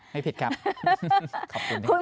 ไม่ผิดครับขอบคุณด้วยครับ